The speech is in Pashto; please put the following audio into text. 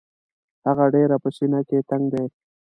هغه ډېر په سینه کې تنګ دی.